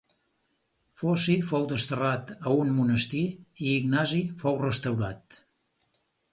Foci fou desterrat a un monestir i Ignasi fou restaurat.